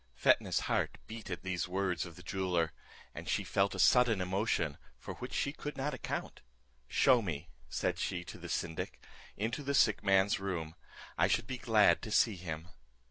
Fetnah's heart beat at these words of the jeweller, and she felt a sudden emotion, for which she could not account: "Shew me," said she to the syndic, "into the sick man's room; I should be glad to see him."